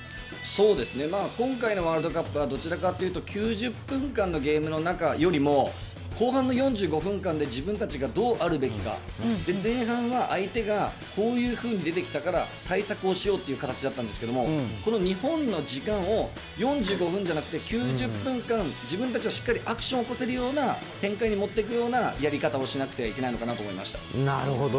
今回のワールドカップはどちらかというと、９０分間のゲームの中よりも、後半の４５分間で自分たちがどうあるべきか、前半は相手がこういうふうに出てきたから、対策をしようっていう形だったんですけど、この日本の時間を４５分じゃなくて、９０分間、自分たちがしっかりアクション起こせるような展開に持っていくようなやり方をしなくてはいけないのかなと思いました。